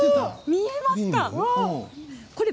見えますか？